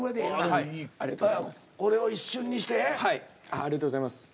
ありがとうございます。